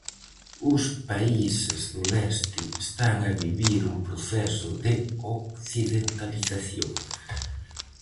Os países do leste están a vivir un proceso de occidentalización.